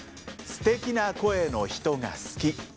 「すてきな声の人が好き」。